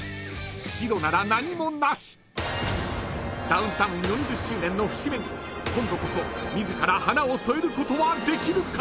［ダウンタウン４０周年の節目に今度こそ自ら花を添えることはできるか？］